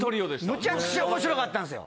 むちゃくちゃ面白かったんですよ。